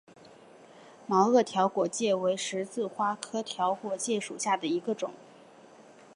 毛萼条果芥为十字花科条果芥属下的一个种。